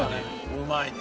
うまいね。